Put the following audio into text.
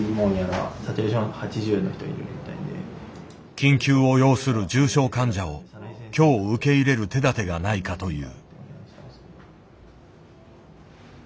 緊急を要する重症患者を今日受け入れる手だてがないかという。